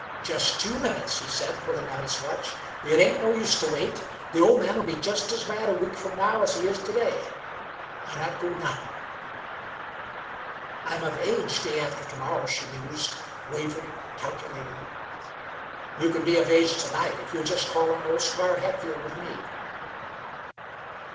"Just two minutes," he said, pulling out his watch. "It ain't no use t' wait. The old man'll be jest as mad a week from now as he is to day. Why not go now?" "I'm of age in a few days," she mused, wavering, calculating. "You c'n be of age to night if you'll jest call on old Square Hatfield with me."